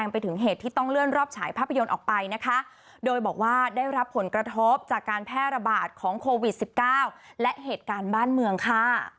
แพร่ระบาดของโควิด๑๙และเหตุการณ์บ้านเมืองค่ะ